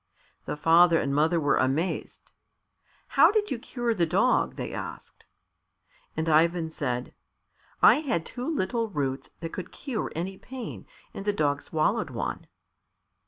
The father and mother were amazed. "How did you cure the dog?" they asked. And Ivan said, "I had two little roots that could cure any pain, and the dog swallowed one."